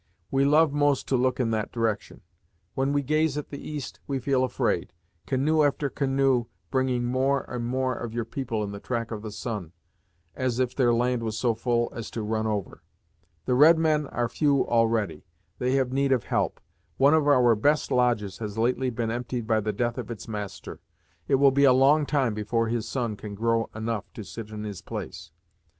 We love most to look in that direction. When we gaze at the east, we feel afraid, canoe after canoe bringing more and more of your people in the track of the sun, as if their land was so full as to run over. The red men are few already; they have need of help. One of our best lodges has lately been emptied by the death of its master; it will be a long time before his son can grow big enough to sit in his place.